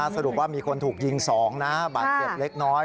สรุปว่ามีคนถูกยิง๒นะบาดเจ็บเล็กน้อย